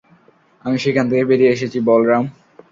আমি সেখান থেকে বেরিয়ে এসেছি, বলরাম।